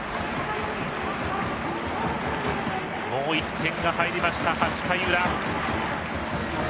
もう１点が入りました、８回裏。